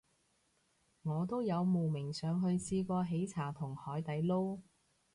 我都有慕名上去試過喜茶同海底撈